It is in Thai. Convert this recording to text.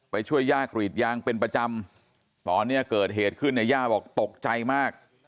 ช่วยย่ากรีดยางเป็นประจำตอนนี้เกิดเหตุขึ้นเนี่ยย่าบอกตกใจมาก